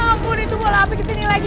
ampun itu bola api kesini lagi